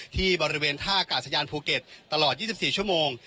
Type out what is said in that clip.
ที่บริเวณท่ากาศยานภูเก็ตตลอด๒๔ชั่วโมง